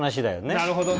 なるほどね。